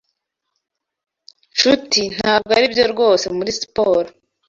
Nshuti ntabwo aribyo rwose muri siporo.